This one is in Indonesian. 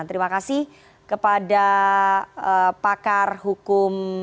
terima kasih kepada pakar hukum